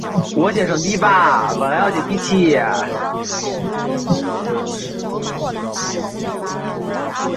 若开罗兴亚救世军是一支活跃于缅甸若开邦北部丛林的罗兴亚人武装集团。